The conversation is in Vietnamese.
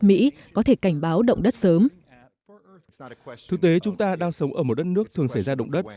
mỹ có thể cảnh báo động đất sớm thực tế chúng ta đang sống ở một đất nước thường xảy ra động đất